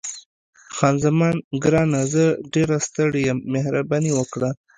خان زمان: ګرانه، زه ډېره ستړې یم، مهرباني وکړه.